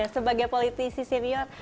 sebagai politisi senior